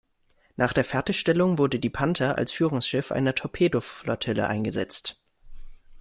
Nach der Fertigstellung wurde die "Panther" als Führungsschiff einer Torpedo-Flottille eingesetzt.